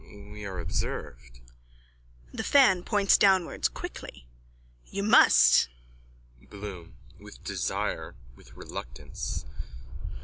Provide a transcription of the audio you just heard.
_ We are observed. THE FAN: (Points downwards quickly.) You must. BLOOM: _(With desire, with reluctance.)